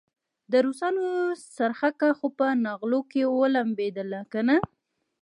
د روسانو څرخکه خو په نغلو کې ولمبېدله کنه.